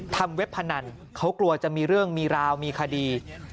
เว็บพนันเขากลัวจะมีเรื่องมีราวมีคดี